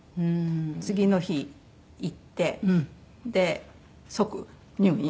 次の日行って即入院。